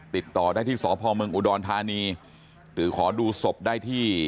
ติดต่อได้ที่สพเมืองอุดรธานีหรือขอดูศพได้ที่